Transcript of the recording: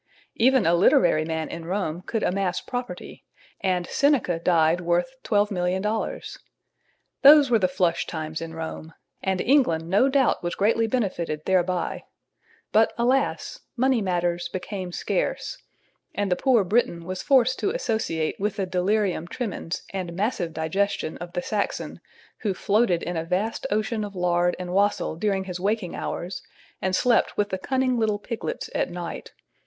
Even a literary man in Rome could amass property, and Seneca died worth $12,000,000. Those were the flush times in Rome, and England no doubt was greatly benefited thereby; but, alas! "money matters became scarce," and the poor Briton was forced to associate with the delirium tremens and massive digestion of the Saxon, who floated in a vast ocean of lard and wassail during his waking hours and slept with the cunning little piglets at night.